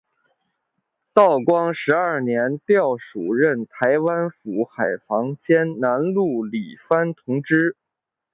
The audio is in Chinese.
道光十二年调署任台湾府海防兼南路理番同知。